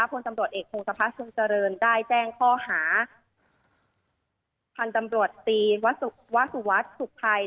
พลตำรวจเอกพงศพัฒนทรงเจริญได้แจ้งข้อหาพันธุ์ตำรวจตีนวสุวัสดิ์สุขภัย